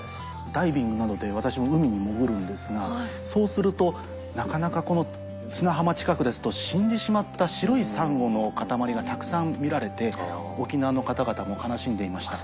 ダイビングなどで私も海に潜るんですがそうするとなかなか砂浜近くですと死んでしまった白いサンゴの塊がたくさん見られて沖縄の方々も悲しんでいました。